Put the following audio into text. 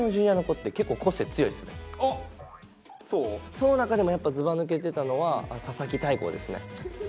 その中でもやっぱずばぬけてたのは佐々木大光ですね。